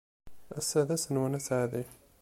Ass-a d ass-nwen aseɛdi.